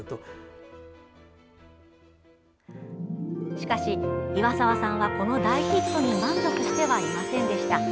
しかし、岩沢さんはこの大ヒットに満足してはいませんでした。